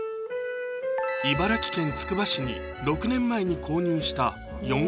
茨城県つくば市に６年前に購入した